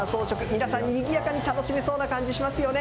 皆さん、にぎやかに楽しめそうな感じしますよね。